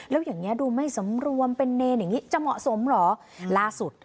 แล้วอย่างเงี้ดูไม่สำรวมเป็นเนรอย่างนี้จะเหมาะสมเหรอล่าสุด